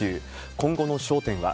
今後の焦点は。